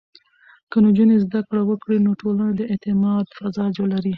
که نجونې زده کړه وکړي، نو ټولنه د اعتماد فضا لري.